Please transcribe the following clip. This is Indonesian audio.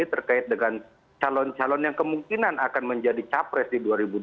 terkait dengan calon calon yang kemungkinan akan menjadi capres di dua ribu dua puluh